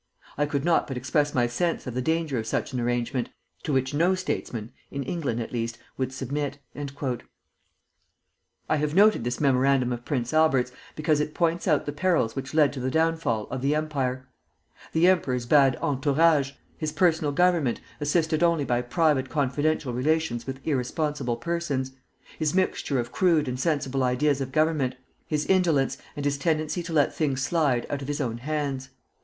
I could not but express my sense of the danger of such an arrangement, to which no statesman, in England at least, would submit." I have quoted this memorandum of Prince Albert's, because it points out the perils which led to the downfall or the Empire, the emperor's bad entourage; his personal government, assisted only by private confidential relations with irresponsible persons; his mixture of crude and sensible ideas of government; his indolence; and his tendency to let things slide out of his own hands.